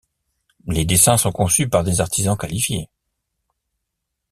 Les dessins sont conçus par des artisans qualifiés.